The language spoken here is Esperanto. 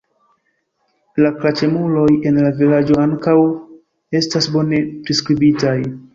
La klaĉemuloj en la vilaĝo ankaŭ estas bone priskribitaj.